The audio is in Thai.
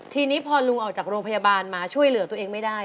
ทีนี้พอลุงออกจากโรงพยาบาลมาช่วยเหลือตัวเองไม่ได้